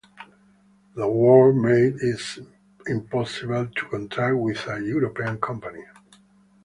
The war made it impossible to contract with a European company.